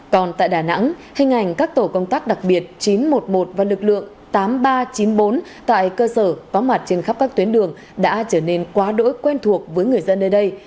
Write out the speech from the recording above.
còn tại đà nẵng hình ảnh các tổ công tác đặc biệt chín trăm một mươi một và lực lượng tám nghìn ba trăm chín mươi bốn tại cơ sở có mặt trên khắp các tuyến đường đã trở nên quá đỗi quen thuộc với người dân nơi đây